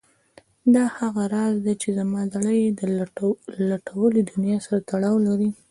دا هغه راز و چې زما زړه یې له ټولې دنیا سره تړلی و.